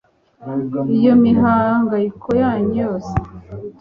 iyo mihangayiko yanyu yose